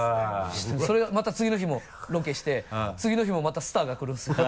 それがまた次の日もロケして次の日もまたスターが来るんですよ。